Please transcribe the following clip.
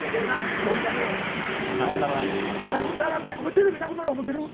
テレビなくなる思うてる？